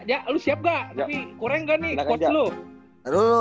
ya ya lo siap gak nanti kureng gak nih quotes lo